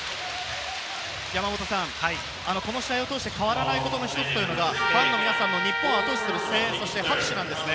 この試合を通して、変わらないことの１つは、ファンの皆さんの日本を後押しする声援と拍手です。